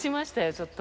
ちょっと。